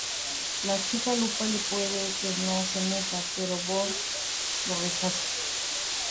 La chica Lupe le pide que no se meta, pero Bond lo rechaza.